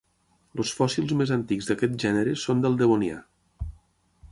Els fòssils més antics d'aquest gènere són del Devonià.